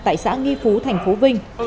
tại xã nghi phú thành phố vinh